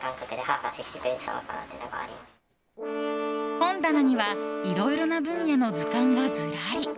本棚にはいろいろな分野の図鑑がずらり。